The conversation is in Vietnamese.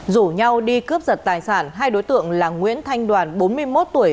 rủ nhau đi cướp giật tài sản hai đối tượng là nguyễn thanh đoàn bốn mươi một tuổi